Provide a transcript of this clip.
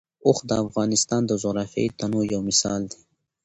اوښ د افغانستان د جغرافیوي تنوع یو مثال دی.